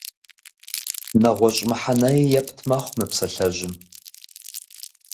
НэгъуэщӀ мыхьэнэи епт мэхъу мы псалъэжьым.